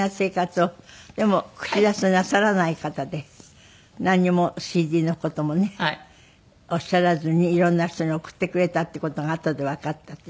でも口出しなさらない方でなんにもＣＤの事もねおっしゃらずにいろんな人に送ってくれたっていう事があとでわかったっていう。